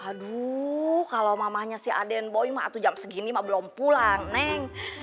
aduh kalau mamanya si aden boy ma'atu jam segini mah belum pulang neng